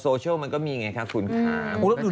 โซเชียลมันก็มีไงคะคุณค้าง